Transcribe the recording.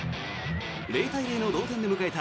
０対０の同点で迎えた